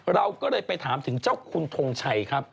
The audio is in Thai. เราก็เลยไปถามถึงเจ้าคุณทงชัยครับ